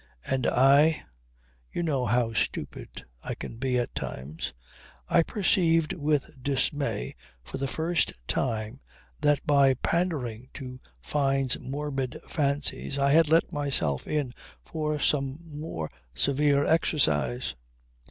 And I you know how stupid I can be at times I perceived with dismay for the first time that by pandering to Fyne's morbid fancies I had let myself in for some more severe exercise.